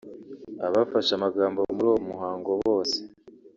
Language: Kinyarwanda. Abafashe amagambo muri uwo muhango bose